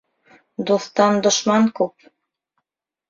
Дуҫтан дошман күп.